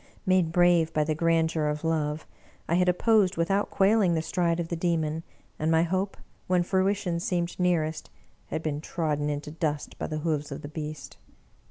Made brave by the grandeur of love, I had opposed without quailing the stride of the Demon, and my hope, when fruition seemed nearest, had been trodden into dust by the hoofs of the beast!